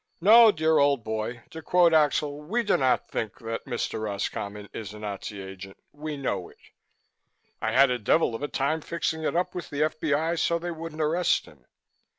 "No, dear old boy to quote Axel we do not think that Mr. Roscommon is a Nazi Agent. We know it. I had the devil of a time fixing it up with the F.B.I. so they wouldn't arrest him.